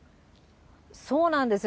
そうなんですよ。